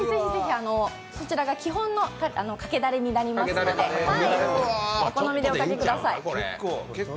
そちらが基本のかけだれになりますのでお好みでおかけください。